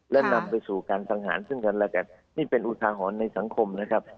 และนำไปสู่การสังหารซึ่งกันและกันนี่เป็นอุทาหรณ์ในสังคมนะครับ